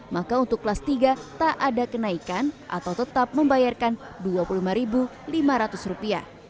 maka untuk kelas tiga tak ada kenaikan atau tetap membayarkan rp dua puluh lima lima ratus